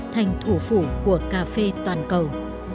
thành thủ phủ của cà phê toàn cầu